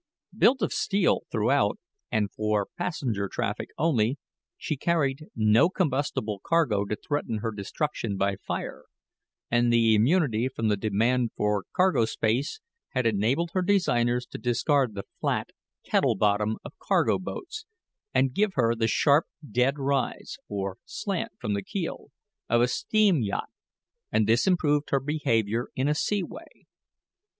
Built of steel throughout, and for passenger traffic only, she carried no combustible cargo to threaten her destruction by fire; and the immunity from the demand for cargo space had enabled her designers to discard the flat, kettle bottom of cargo boats and give her the sharp dead rise or slant from the keel of a steam yacht, and this improved her behavior in a seaway.